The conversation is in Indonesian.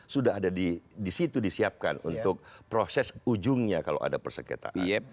sudah ada di situ disiapkan untuk proses ujungnya kalau ada persengketaan